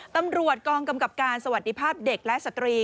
ตำรวจกองกำกับการสวัสดีภาพเด็กและสตรี